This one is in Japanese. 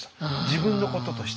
自分のこととして。